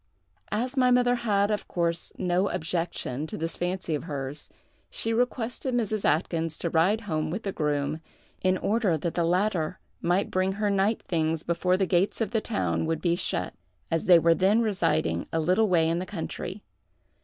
As my mother had, of course, no objection to this fancy of hers, she requested Mrs. Atkyns to ride home with the groom, in order that the latter might bring her night things before the gates of the town would be shut, as they were then residing a little way in the country.